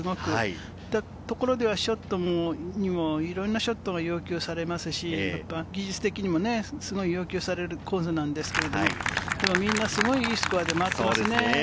そのところでは、いろんなショットが要求されますし、技術的にもすごい要求されるコースなんですけれど、みんなすごい、いいスコアで回っていますね。